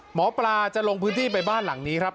หมอปลาจะลงพื้นที่ไปบ้านหลังนี้ครับ